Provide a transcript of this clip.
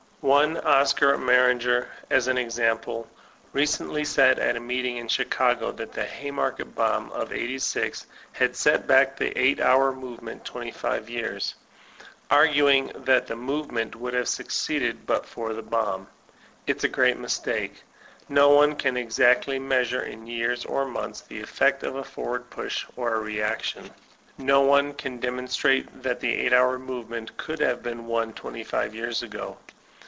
One Oscar Ameringer, as an ex ample, recently said at a meetng in Chicago that the Haymarket bomb of ^86 had set back the eight hoar mov em en t twenty five jrears, arguing that the m ov ement would have succeeded then but for the bonib. It's a great mistake. No one can exactly measure in years or months the effect of a forward push or a reaction. No one can demonstrate that the eight hour movement could have been won twenty five years ago.